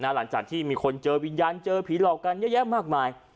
หลังจากที่มีคนเจอวิญญาณเจอผีหลอกกันเยอะแยะมากมาย